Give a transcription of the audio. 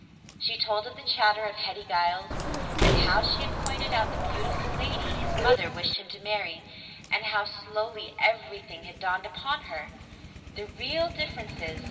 She told of the chatter of Hetty Giles, and how she had pointed out the beautiful lady his mother wished him to marry — and how slowly everything had dawned upon her — the real differences.